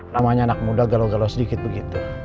namanya anak muda galau galau sedikit begitu